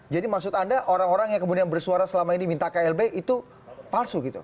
jadi maksud anda orang orang yang kemudian bersuara selama ini minta klb itu palsu gitu